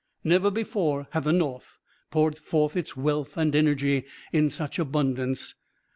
Never before had the North poured forth its wealth and energy in such abundance.